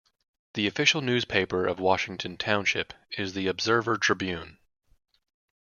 The official newspaper of Washington Township is The Observer-Tribune.